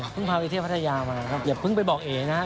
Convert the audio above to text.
เพิ่งพาไปเที่ยวภรรยามาครับอย่าเพิ่งไปบอกเอ๋นะฮะ